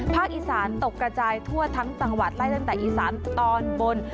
อีสานตกกระจายทั่วทั้งจังหวัดไล่ตั้งแต่อีสานตอนบน